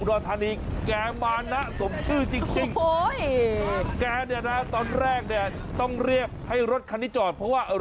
โอ้โหต้องเอาใจช่วยคุณตำรวจท่านนี้เรียกได้ว่าเกาะติดเกาะติด